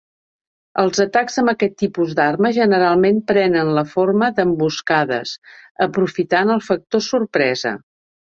Els atacs amb aquest tipus d'armes generalment prenen la forma d'emboscades, aprofitant el factor sorpresa.